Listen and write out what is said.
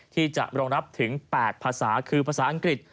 ที่จะรองรับถึง๘ภาษาคือภาษาอังกฤษ